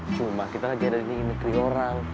cuma kita lagi ada di sini mikir orang